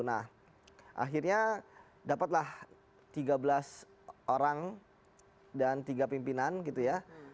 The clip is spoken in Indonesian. nah akhirnya dapatlah tiga belas orang dan tiga pimpinan gitu ya